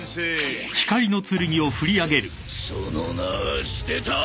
その名は捨てた。